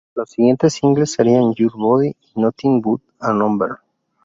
Los siguientes singles serían "Your Body" y "Nothing But A Number".